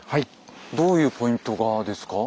どういうポイントがですか？